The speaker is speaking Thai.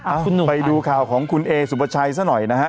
ไปดูข่าวของคุณเอสุปชัยซะหน่อยนะฮะ